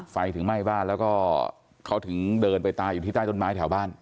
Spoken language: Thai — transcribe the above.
ไฟถึงไหม้บ้านแล้วก็เขาถึงเดินไปตายอยู่ที่ใต้ต้นไม้แถวบ้าน